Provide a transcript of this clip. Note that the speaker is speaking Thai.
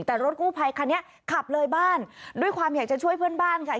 แต่รถกู้ภัยคันนี้ขับเลยบ้านด้วยความอยากจะช่วยเพื่อนบ้านค่ะ